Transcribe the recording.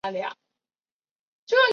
嘉庆二十三年卒。